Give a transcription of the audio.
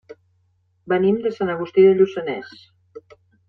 Venim de Sant Agustí de Lluçanès.